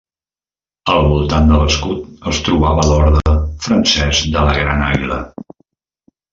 Al voltant de l'escut es trobava l'orde francès de la Gran Àguila.